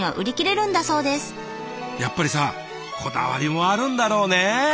やっぱりさこだわりもあるんだろうね。